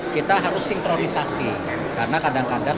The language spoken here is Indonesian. kita harus sinkronisasi karena kadang kadang